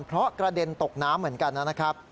เพราะกระเด็นตกน้ำเหมือนกันนะครับ